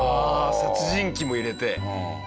殺人鬼も入れて。